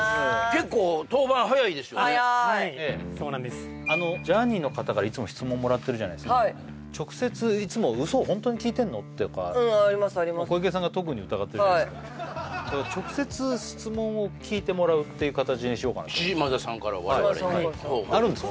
結構登板早いですよね早いそうなんですあのジャーニーの方からいつも質問もらってるじゃないすか直接いつもウソホントに聞いてんの？っていうかうんありますあります小池さんが特に疑ってるっていう形にしようかなと島田さんからですか？